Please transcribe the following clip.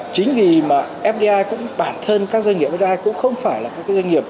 chính vì mà fdi cũng bản thân các doanh nghiệp fdi cũng không phải là các doanh nghiệp